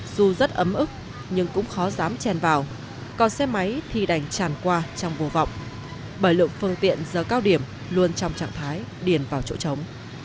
dù rất ấm ức nhưng cũng khó dám chèn vào còn xe máy thì đành tràn qua trong vô vọng bởi lượng phương tiện giờ cao điểm luôn trong trạng thái điền vào chỗ trống